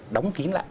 đóng kín lại